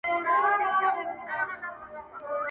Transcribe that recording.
o هر چيري چي ولاړ سې، دغه حال دئ!